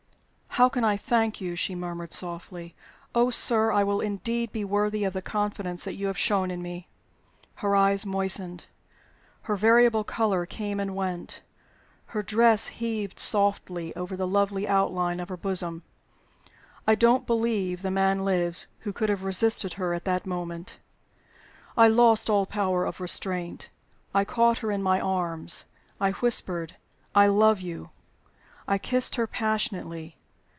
"How can I thank you?" she murmured, softly. "Oh, sir, I will indeed be worthy of the confidence that you have shown in me!" Her eyes moistened; her variable color came and went; her dress heaved softly over the lovely outline of her bosom. I don't believe the man lives who could have resisted her at that moment. I lost all power of restraint; I caught her in my arms; I whispered, "I love you!" I kissed her passionately.